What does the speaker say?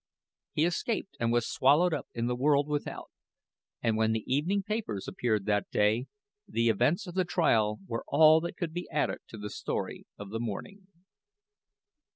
He escaped and was swallowed up in the world without; and when the evening papers appeared that day, the events of the trial were all that could be added to the story of the morning.